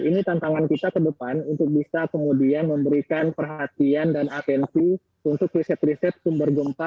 ini tantangan kita ke depan untuk bisa kemudian memberikan perhatian dan atensi untuk riset riset sumber gempa